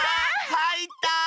はいった！